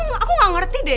aku gak ngerti deh